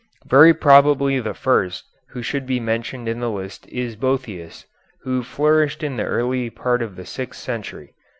Very probably the first who should be mentioned in the list is Boëthius, who flourished in the early part of the sixth century.